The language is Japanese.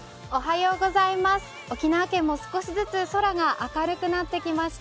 沖縄県も少しずつ空が明るくなってきました。